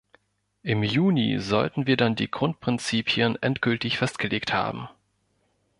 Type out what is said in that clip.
Im Juni sollten wir dann die Grundprinzipien endgültig festgelegt haben.